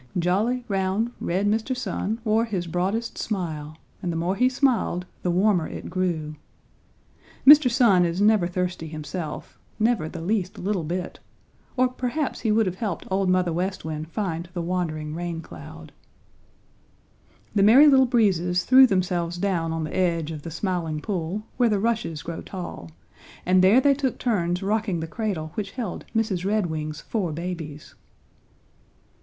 Jolly, round, red Mr. Sun wore his broadest smile and the more he smiled the warmer it grew. Mr. Sun is never thirsty himself, never the least little bit, or perhaps he would have helped Old Mother West Wind find the wandering raincloud. The Merry Little Breezes threw themselves down on the edge of the Smiling Pool, where the rushes grow tall, and there they took turns rocking the cradle which held Mrs. Redwing's four babies.